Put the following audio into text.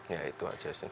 ya itu aja sih